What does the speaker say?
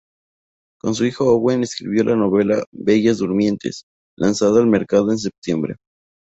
Con su hijo Owen escribió la novela "Bellas durmientes", lanzada al mercado en septiembre.